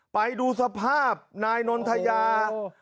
ไปดูสภาพนายนนทยา